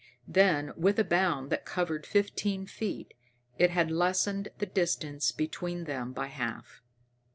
Then, with a bound that covered fifteen feet, it had lessened the distance between them by half.